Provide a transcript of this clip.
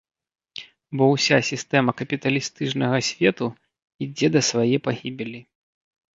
Бо ўся сістэма капіталістычнага свету ідзе да свае пагібелі.